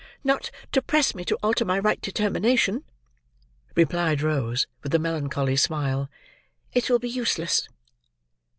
"Not to press me to alter my right determination," replied Rose, with a melancholy smile; "it will be useless."